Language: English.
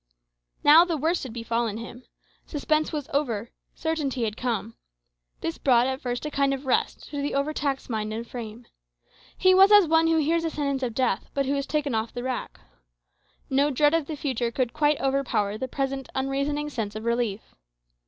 Now the worst had befallen him. Suspense was over; certainty had come. This brought at first a kind of rest to the overtaxed mind and frame. He was as one who hears a sentence of death, but who is taken off the rack. No dread of the future could quite overpower the present unreasoning sense of relief.